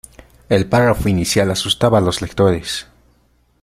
El párrafo inicial asustaba a los lectores.